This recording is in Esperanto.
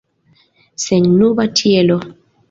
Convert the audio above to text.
Sennuba ĉielo.